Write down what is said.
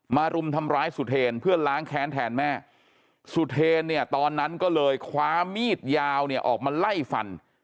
รุมทำร้ายสุเทรนเพื่อนล้างแค้นแทนแม่สุเทรนเนี่ยตอนนั้นก็เลยคว้ามีดยาวเนี่ยออกมาไล่ฟัน